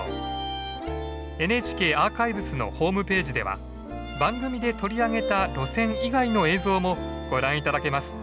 ＮＨＫアーカイブスのホームページでは番組で取り上げた路線以外の映像もご覧頂けます。